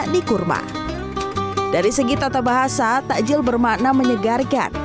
dari segi tata bahasa takjil bermakna menyegarkan